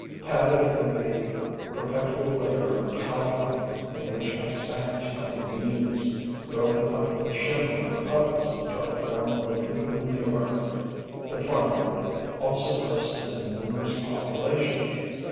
Padded with a perpetual layer of cow dung, in which I sank to my knees, broken up with shimmering puddles of dark brown liquid manure, the farmyard also boasted a numerous population.